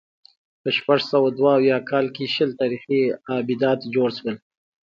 په شپږ سوه دوه اویا کال کې شل تاریخي آبدات جوړ شول